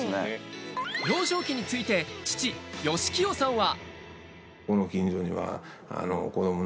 幼少期について父・義清さんは。